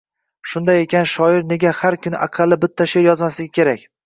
shaunday ekan, shoir nega har kuni aqalli bitta she’r yozmasligi kerak?